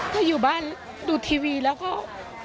ถ้าอยู่บ้านดูทีวีแล้วเขา